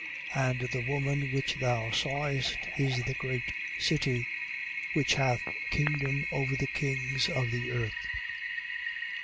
17:18. And the woman which thou sawest is the great city which hath kingdom over the kings of the earth.